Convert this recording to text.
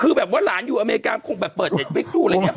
คือแบบว่าหลานอยู่อเมริกาคงแบบเปิดเน็ตไว้ครูอะไรอย่างนี้